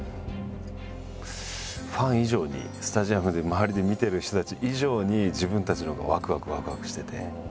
ファン以上にスタジアムで周りで見てる人たち以上に自分たちのほうがワクワクワクワクしてて。